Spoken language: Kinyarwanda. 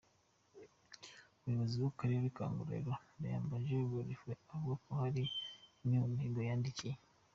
Umuyobozi w’Akarere ka Ngororero, Ndayambaje Godfrois, avuga hari imwe mu mihigo yadindiye.